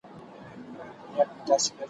نور یې نسته زور د چا د ښکارولو ,